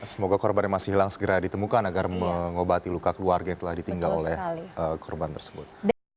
semoga korban yang masih hilang segera ditemukan agar mengobati luka keluarga yang telah ditinggal oleh korban tersebut